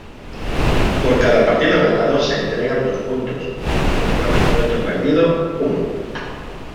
Por cada partido ganado se entregan dos puntos, por cada encuentro perdido uno.